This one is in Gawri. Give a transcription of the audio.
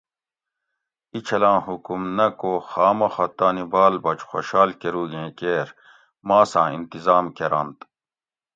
ایچھلاں حکم نہ کو خامخہ تانی بال بچ خوشال کروگیں کیر ماساں انتظام کرنت